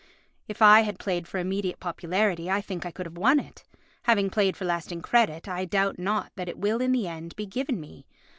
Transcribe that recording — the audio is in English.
If I had played for immediate popularity I think I could have won it. Having played for lasting credit I doubt not that it will in the end be given me.